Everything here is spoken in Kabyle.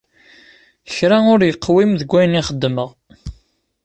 Kra ur yeqwim deg ayen i xedmeɣ.